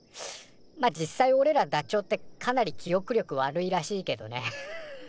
まあ実際おれらダチョウってかなり記おく力悪いらしいけどね。